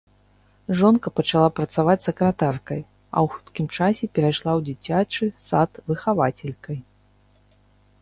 Жонка пачала працаваць сакратаркай, а ў хуткім часе перайшла ў дзіцячы сад выхавацелькай.